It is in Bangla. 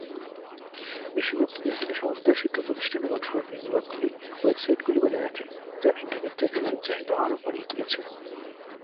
বেশিরভাগ পাকিস্তানি সংস্থা, শিক্ষাপ্রতিষ্ঠান এবং সরকারী বিভাগগুলি ওয়েব সাইটগুলি বজায় রাখে যা ইন্টারনেট অ্যাক্সেসের চাহিদা আরও বাড়িয়ে তুলেছে।